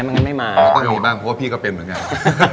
ไม่งั้นไม่มาเพราะว่าพี่ก็เป็นเหมือนกัน